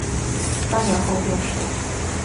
三年后病逝。